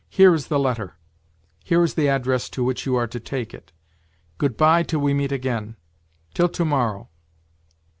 " Here is the letter, here is the address to which you are to take it. Good bye, till we meet again ! Till to morrow